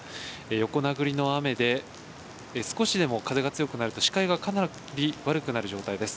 横殴りの雨で、少しでも風が強くなると視界がかなり悪くなる状態です。